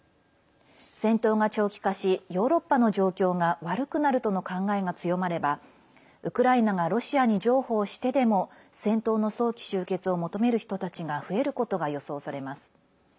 戦闘が長期化しヨーロッパの状況が悪くなるとの考えが強まればウクライナがロシアに譲歩をしてでも戦闘の早期終結を求める人たちが増えることが予想されます。